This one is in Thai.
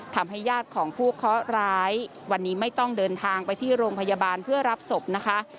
ญาติของผู้เคาะร้ายวันนี้ไม่ต้องเดินทางไปที่โรงพยาบาลเพื่อรับศพนะคะ